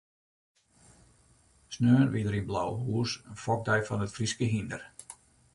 Sneon wie der yn Blauhûs in fokdei fan it Fryske hynder.